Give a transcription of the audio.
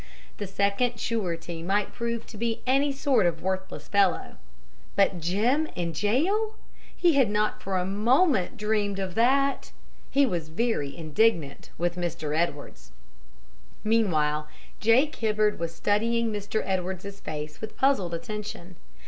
The second surety might prove to be any sort of worthless fellow. But Jim in jail! He had not for a moment dreamed of that. He was very indignant with Mr. Edwards. Meanwhile, Jake Hibbard was studying Mr. Edwards's face with puzzled attention.